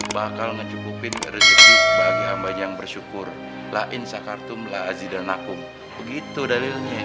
bakal mencukupi rezeki bagi amat yang bersyukur lain sakartum la'adzidana'kum begitu dalilnya